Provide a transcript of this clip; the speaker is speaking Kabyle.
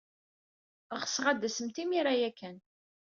Ɣseɣ ad d-tasemt imir-a ya kan.